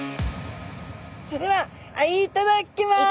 それではいただきます！